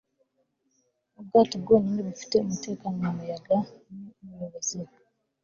ubwato bwonyine bufite umutekano mu muyaga ni ubuyobozi. - faye wattleton